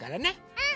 うん！